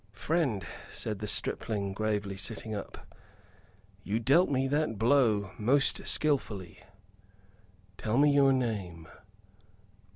"Friend," said the stripling, gravely, sitting up, "you dealt me that blow most skilfully. Tell me your name."